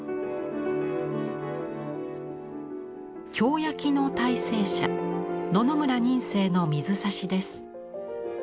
京焼の大成者野々村仁清の水指です。